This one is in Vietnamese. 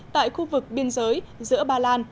tại khu vực biên giới giữa bà lan